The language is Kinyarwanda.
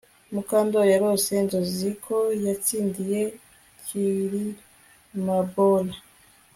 Mukandoli yarose inzozi ko yatsindiye kirimabola